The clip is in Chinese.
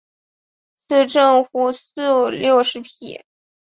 赐郑璩素六十匹。